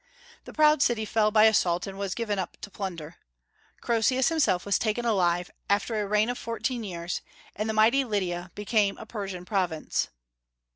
The proud city fell by assault, and was given up to plunder. Croesus himself was taken alive, after a reign of fourteen years, and the mighty Lydia became a Persian province.